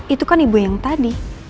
itu kan ibu yang tadi